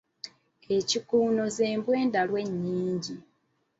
Ekikuuno z’embwa endalu ennyingi.